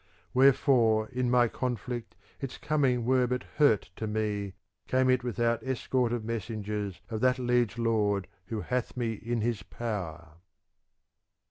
Where fore in my conflict its ^ coming were but hurt to me came it without escort of messengers of that liege lord who hath me in his power.